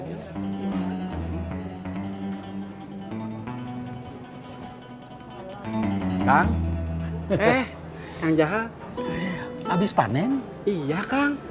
tapi mereka akan masuk ziemi semakin pulang